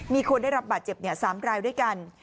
มีคนได้รับบาดเจ็บ๓รายด้วยกัน